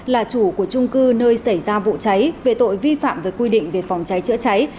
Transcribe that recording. là chủ của trung cư nơi xảy ra vụ cháy về tội vi phạm với quy định về phòng cháy chữa cháy